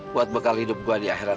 buat bekal hidup gue di akhirat